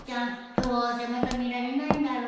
どうせまた見られないんだろうな。